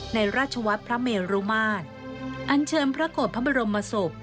ราชวัฒน์พระเมรุมาตรอันเชิญพระโกรธพระบรมศพ